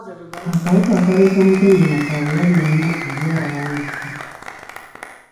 Akawuka akaleeta mukenenya ka bulabe nnyo eri abantu.